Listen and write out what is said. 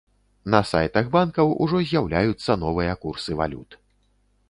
На сайтах банкаў ужо з'яўляюцца новыя курсы валют.